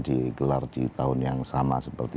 digelar di tahun yang sama seperti